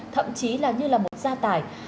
thậm chí là như là một gia tài